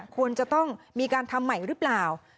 ควรจะต้องมีการทำใหม่หรือเปล่า